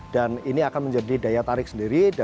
dan ini adalah konsep yang sangat diperlukan oleh milenial